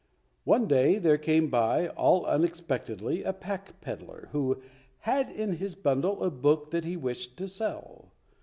One day there came by, all unexpectedly, a pack peddler, who had in his bundle a book that he wished to sell.